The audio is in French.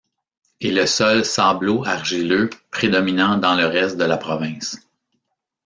Et le sol sablo-argileux prédominant dans le reste de la province.